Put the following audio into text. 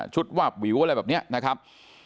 ชุดวาบหวีวว่าอะไรแบบเนี้ยนะครับ